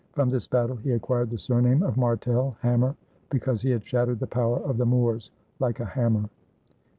From this battle he acquired the surname of "Martel" (hammer), because he had shattered the power of the Moors like a hammer.